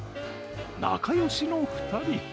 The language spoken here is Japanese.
仲良しの２人。